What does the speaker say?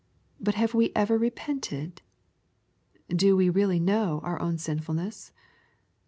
But have we ever repented ? Do we really know our own sinfulness